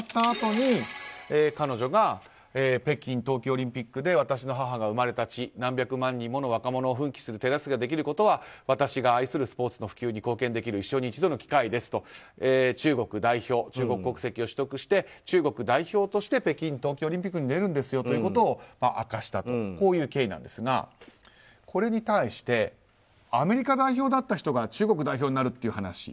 あと彼女が北京冬季オリンピックで私の母が生まれた地の何百万人もの若者を奮起する手助けをできることは私が愛するスポーツの普及に貢献できる一生に一度の機会ですと中国国籍を取得して中国代表として北京冬季オリンピックに出るんですよということを明かしたという経緯なんですがこれに対してアメリカ代表だった人が中国代表になるという話。